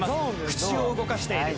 口を動かしている。